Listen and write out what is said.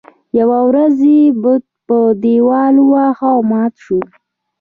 يوه ورځ یې بت په دیوال وواهه او مات شو.